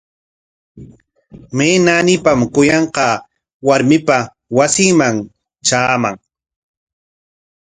¿May naanipam kuyanqaa warmipa wasinman traaman?